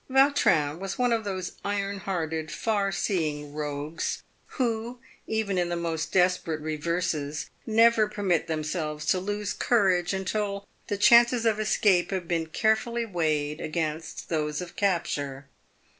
Yautrin was one of those iron hearted, far seeing rogues, who, even in the most desperate reverses, never permit themselves to lose courage until the chances of escape have been carefully weighed against those of capture.